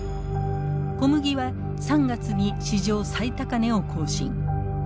小麦は３月に史上最高値を更新。